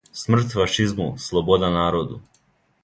Смрт фашизму, слобода народу!